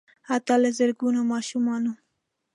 حتا که د زرګونو ماشومانو